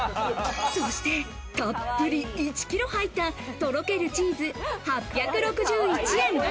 そして、たっぷり１キロ入ったとろけるチーズ８６１円。